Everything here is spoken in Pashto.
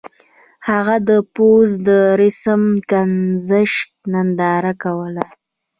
هغه د پوځ د رسم ګذشت ننداره کوله.